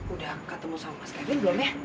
udah ketemu sama mas kevin belum deh